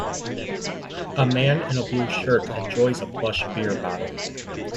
A man in a blue shirt enjoys a plush beer bottle.